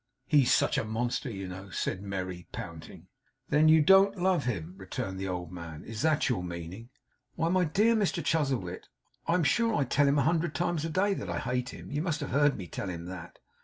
'He's such a monster, you know,' said Merry, pouting. 'Then you don't love him?' returned the old man. 'Is that your meaning?' 'Why, my dear Mr Chuzzlewit, I'm sure I tell him a hundred times a day that I hate him. You must have heard me tell him that.